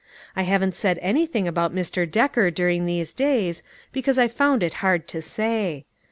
I haven't said anything about Mr. Decker during these days, because I found it hard to say.